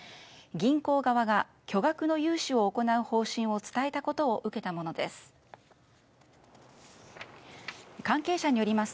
銀行側が巨額の融資を行う方針を伝えたことを受けたものです。